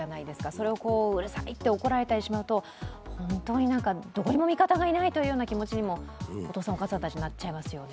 それをうるさいと怒られたりしちゃうとどこにも味方がいないという気持ちにもお父さん、お母さんたち、なっちゃいますよね。